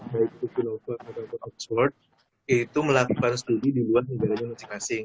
baik itu global maupun oxford itu melakukan studi di luar negaranya masing masing